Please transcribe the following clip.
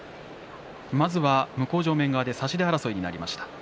まずは向正面側で差し手争いになりました。